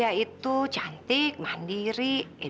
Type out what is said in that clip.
alya itu cantik mandiri educated